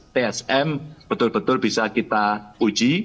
tsm betul betul bisa kita uji